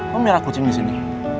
lo merah kucing disini